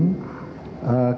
kira kira apa pengalaman pelama